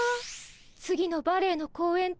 次のバレエの公演